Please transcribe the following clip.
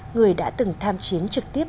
người đã từng tham chiến trực tiếp